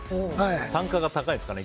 単価が高いんですかね